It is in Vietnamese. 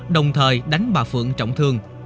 đồng thời đánh bà phượng trọng thương